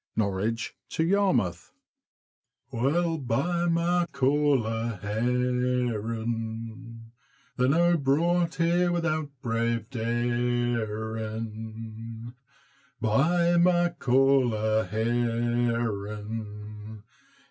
NORWICH TO YARMOUTH. Wha'll buy my caller herrin' ? They're no brought here without brave darin' ; Buy my caller herrin'